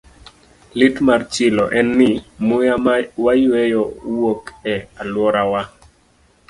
Lit mar chilo en ni, muya ma wayueyo wuok e alworawa.